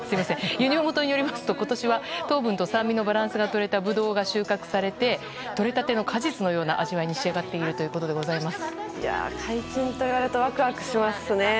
輸入元によりますと、ことしは糖分と酸味のバランスが取れたブドウが収穫されて、取れたての果実のような味わいに仕上がっているということでございやー、解禁と言われるとわくわくしますね。